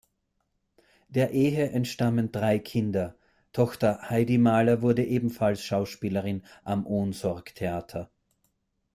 Der Ehe entstammen drei Kinder; Tochter Heidi Mahler wurde ebenfalls Schauspielerin am Ohnsorg-Theater.